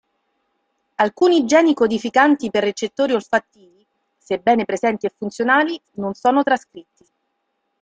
Alcuni geni codificanti per recettori olfattivi, sebbene presenti e funzionali, non sono trascritti.